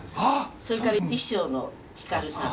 それから衣装の光さん。